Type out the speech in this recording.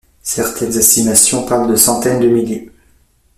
Certaines estimations parlent de centaines de milliers.